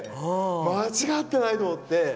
間違ってないと思って。